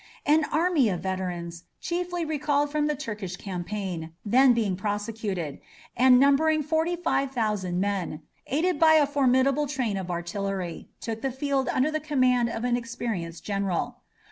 An army of veterans, chiefly recalled from the Turkish campaign (then being prosecuted), and numbering forty five thousand men, aided by a formidable train of artillery, took the field under the command of an experienced general.